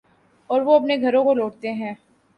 اوروہ اپنے گھروں کو لوٹتے ہیں۔